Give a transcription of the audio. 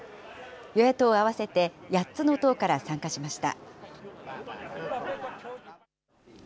与野党合わせて８つの党から参加しました。